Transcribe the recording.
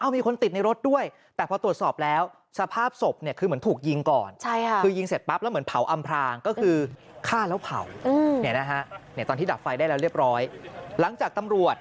มีคนติดในรถด้วยแต่พอตรวจสอบแล้ว